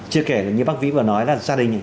chưa kể như bác vĩ vừa nói là gia đình